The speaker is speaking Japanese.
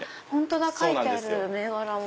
書いてある銘柄も。